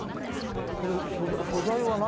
これ素材は何？